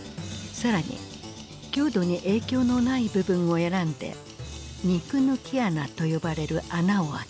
更に強度に影響のない部分を選んで肉抜き穴と呼ばれる穴を開けた。